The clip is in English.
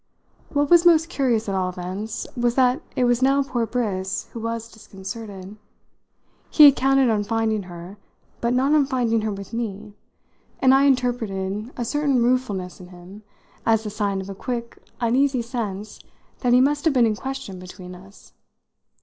What was most curious, at all events, was that it was now poor Briss who was disconcerted. He had counted on finding her, but not on finding her with me, and I interpreted a certain ruefulness in him as the sign of a quick, uneasy sense that he must have been in question between us.